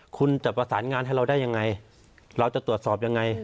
คุณจะประสานงานให้เราได้ยังไงเราจะตรวจสอบยังไง